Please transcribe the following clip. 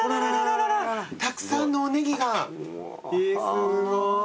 すごい。